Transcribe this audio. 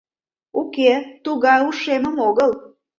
— Уке, тугай ушемым огыл...